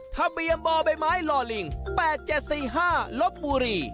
ทะเบียนบ่อใบไม้ลอลิง๘๗๔๕ลบบุรี